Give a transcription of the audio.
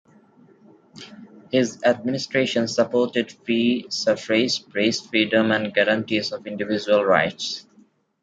His administration supported free suffrage, press freedom and guarantees of individual rights.